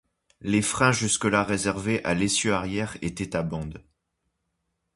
Les freins jusque-là réservés à l'essieu arrière étaient à bandes.